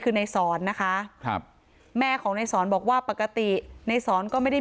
คือในสอนนะคะครับแม่ของในสอนบอกว่าปกติในสอนก็ไม่ได้